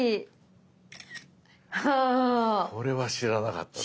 これは知らなかったぞ。